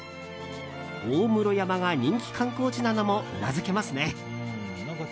大室山が人気観光地なのもうなずけますね。